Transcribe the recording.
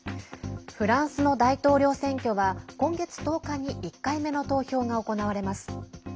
フランスの大統領選挙は今月１０日に１回目の投票が行われます。